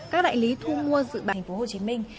các đại lý thu mua dự bàn thành phố hồ chí minh